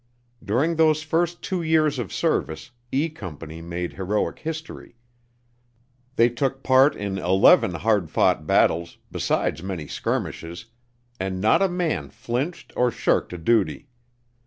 During those first two years of service, E Company made heroic history. They took part in eleven hard fought battles, besides many skirmishes, and not a man flinched or shirked a duty!